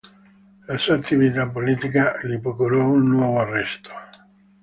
La sua attività politica gli procurò un nuovo arresto.